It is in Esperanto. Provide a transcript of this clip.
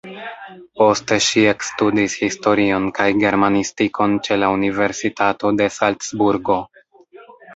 Poste ŝi ekstudis historion kaj germanistikon ĉe la universitato de Salcburgo.